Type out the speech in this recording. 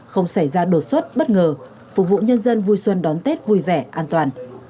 không xảy ra đột xuất bất ngờ phục vụ nhân dân vui xuân đón tết vui vẻ an toàn